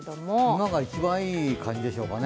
今が一番いい感じでしょうか。